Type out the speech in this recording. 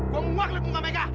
gue mau nguak nguak mereka